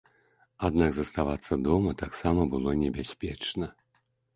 Аднак заставацца дома таксама было небяспечна.